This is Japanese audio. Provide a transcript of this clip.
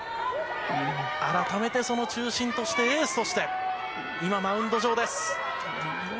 改めて、その中心としてエースとして今、マウンド上です。